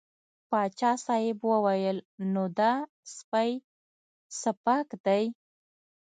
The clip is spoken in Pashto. پاچا صاحب وویل نو دا سپی څه پاک دی.